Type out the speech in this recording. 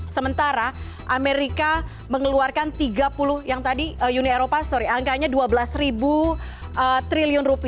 sementara amerika mengeluarkan rp dua belas triliun